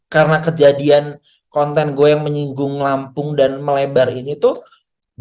karena kejadian konten gue yang menyinggung lampung dan melebar ini tuh